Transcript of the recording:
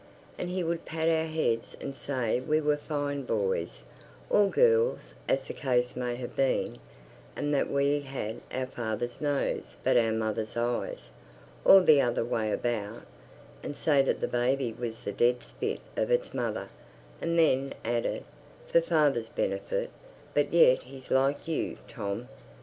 And he would pat our heads and say we were fine boys, or girls as the case may have been and that we had our father's nose but our mother's eyes, or the other way about; and say that the baby was the dead spit of its mother, and then added, for father's benefit: "But yet he's like you, Tom."